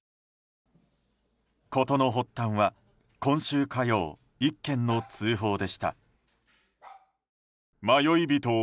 事の発端は今週火曜１件の通報でした。